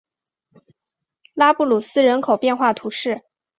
拉布鲁斯人口变化图示